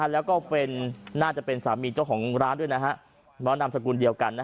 แล้วก็น่าจะเป็นสามีเจ้าของร้านด้วยนามสกุลเดียวกัน